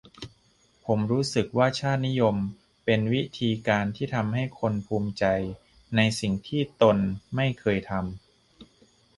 ผมรู้สึกว่าชาตินิยมเป็นวิธีการที่ทำให้คนภูมิใจในสิ่งที่ตนไม่เคยทำ